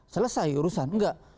selesai urusan enggak